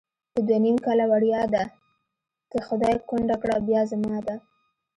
په دوه نیم کله وړیا ده، که خدای کونډه کړه بیا زما ده